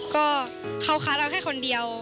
ก็เขาค้าเราแค่คนเดียว